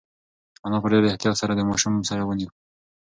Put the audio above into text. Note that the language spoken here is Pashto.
انا په ډېر احتیاط سره د ماشوم سر ونیو.